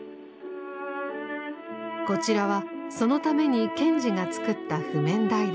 こちらはそのために賢治が作った譜面台です。